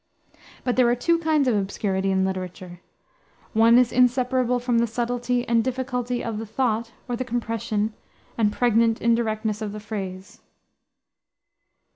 But there are two kinds of obscurity in literature. One is inseparable from the subtlety and difficulty of the thought or the compression and pregnant indirectness of the phrase.